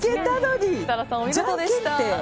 設楽さん、お見事でした。